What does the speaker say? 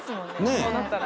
こうなったら。